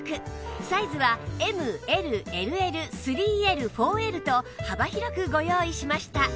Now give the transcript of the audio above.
サイズは ＭＬＬＬ３Ｌ４Ｌ と幅広くご用意しました